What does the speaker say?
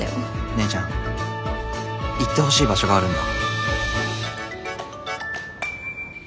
姉ちゃん行ってほしい場所があるんだ。